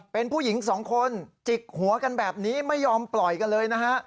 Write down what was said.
เป็นผู้หญิงสองคนจิกหัวกันแบบนี้ไม่ยอมปล่อยกันเลยนะฮะ